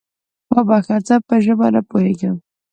وبخښه، زه په ژبه نه پوهېږم؟